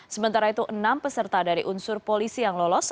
sementara itu enam peserta dari unsur polisi yang lolos